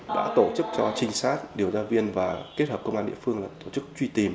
đã tổ chức cho trinh sát điều tra viên và kết hợp công an địa phương tổ chức truy tìm